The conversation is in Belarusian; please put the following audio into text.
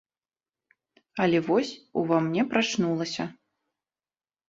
Але вось, ува мне прачнулася.